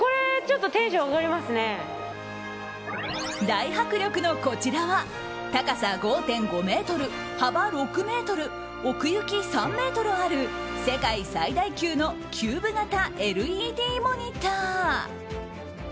大迫力のこちらは高さ５．５ｍ、幅６ｍ奥行き３ｍある世界最大級のキューブ型ＬＥＤモニター。